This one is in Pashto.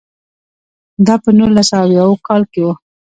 دا په نولس سوه اویاووه کال کې و.